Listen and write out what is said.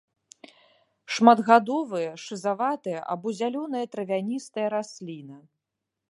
Шматгадовая шызаватая або зялёная травяністая расліна.